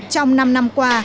trong năm năm qua